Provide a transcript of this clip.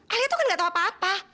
alia itu kan nggak tahu apa apa